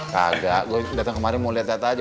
kagak gua datang kemarin mau liat data aja